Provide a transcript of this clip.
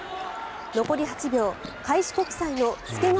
残り８秒、開志国際の介川